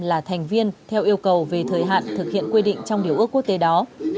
là thành viên theo yêu cầu về thời hạn thực hiện quy định trong điều ước quốc tế đó